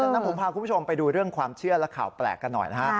ดังนั้นผมพาคุณผู้ชมไปดูเรื่องความเชื่อและข่าวแปลกกันหน่อยนะฮะ